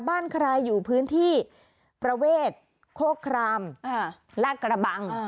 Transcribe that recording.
บ้านใครอยู่พื้นที่ประเวทโคครามลาดกระบัง